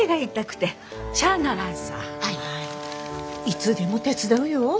いつでも手伝うよ。